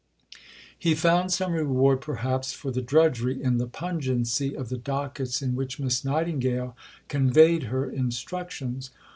He found some reward, perhaps, for the drudgery in the pungency of the dockets in which Miss Nightingale conveyed her instructions.